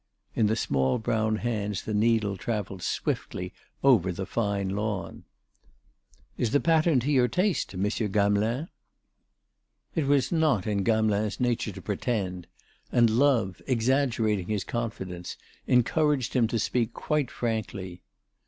In the small brown hands the needle travelled swiftly over the fine lawn. "Is the pattern to your taste, Monsieur Gamelin?" It was not in Gamelin's nature to pretend. And love, exaggerating his confidence, encouraged him to speak quite frankly.